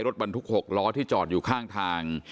รถบรรทุก๖ล้อที่จอดอยู่ข้างทาง